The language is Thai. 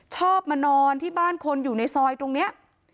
ชอบมานอนที่บ้านคนอยู่ในซอยตรงนี้